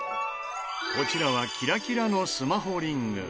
こちらはキラキラのスマホリング。